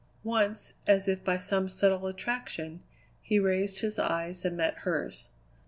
Once, as if by some subtle attraction, he raised his eyes and met hers.